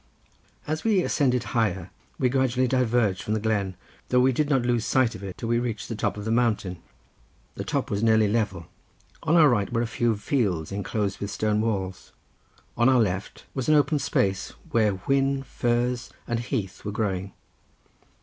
As we ascended higher we gradually diverged from the glen, though we did not lose sight of it till we reached the top of the mountain. The top was nearly level. On our right were a few fields enclosed with stone walls. On our left was an open space where whin, furze and heath were growing.